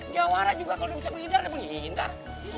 jawara juga kalo dia bisa menghindar dia menghindar